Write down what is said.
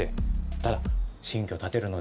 ただ新居を建てるので。